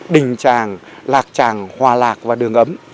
đình tràng lạc tràng hòa lạc và đường ấm